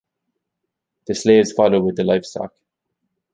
The slaves followed with the livestock.